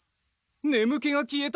眠気が消えた！？